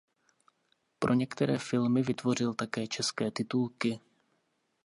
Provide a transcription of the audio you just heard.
Pro některé filmy vytvořil také české titulky.